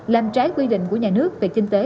làm trái quy định của nhà nước về kinh tế